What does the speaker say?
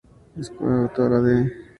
Es coautora de